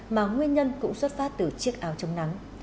mà nguyên nhân cũng xuất phát từ chiếc áo chống nắng